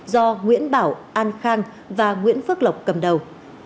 do nguyễn bảo an khang và nguyễn phước lộc cầm đầu